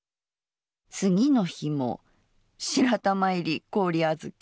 次の日も「白玉入り氷あづき」。